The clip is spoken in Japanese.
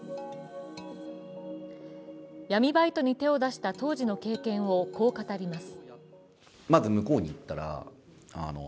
闇バイトに手を出した当時の経験をこう語ります。